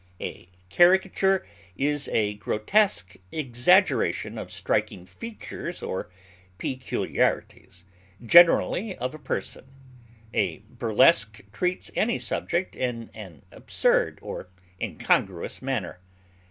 A caricature is a grotesque exaggeration of striking features or peculiarities, generally of a person; a burlesque treats any subject in an absurd or incongruous manner.